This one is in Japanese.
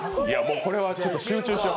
これは集中しよう。